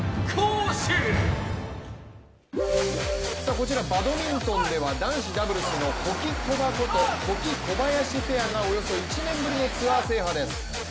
こちらバドミントンでは男子ダブルスのホキコバこと保木・小林ペアがおよそ１年ぶりのツアー制覇です。